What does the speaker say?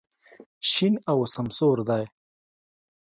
شین او سمسور دی.